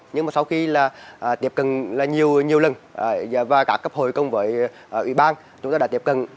nhưng mà sau khi là tiếp cận là nhiều nhiều lần và cả cấp hồi công với ủy ban chúng ta đã tiếp cận